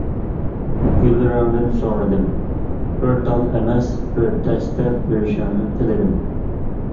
گۈللىرىڭدىن سورىدىم، بىر تال ئەمەس، بىر دەستە بېرىشىڭنى تىلىدىم.